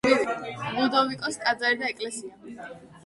ლუდოვიკოს ტაძარი და ეკლესია.